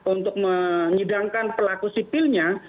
untuk menyidangkan pelaku sipilnya